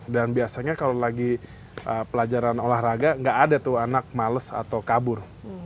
dan biasanya kalau lagi pelajaran olahraga nggak ada tuh anak males atau kabur